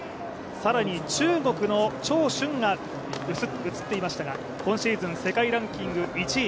更に中国の張俊が映っていましたが、今シーズン世界ランキング１位。